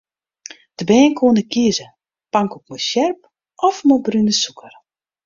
De bern koene kieze: pankoek mei sjerp of mei brune sûker.